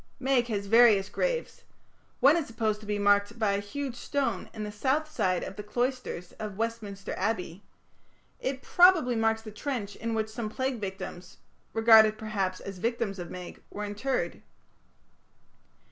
Meg has various graves. One is supposed to be marked by a huge stone in the south side of the cloisters of Westminster Abbey; it probably marks the trench in which some plague victims regarded, perhaps, as victims of Meg were interred.